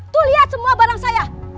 tuh lihat semua barang saya